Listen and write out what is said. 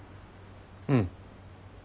うん。